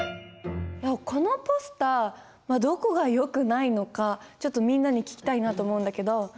このポスターどこがよくないのかちょっとみんなに聞きたいなと思うんだけど。